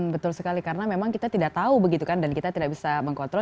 betul sekali karena memang kita tidak tahu begitu kan dan kita tidak bisa mengkontrol